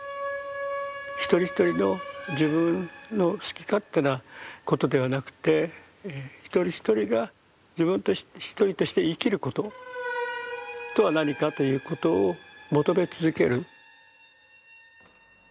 一人一人の自分の好き勝手なことではなくて一人一人が自分一人として生きることとは何かということを求め続ける。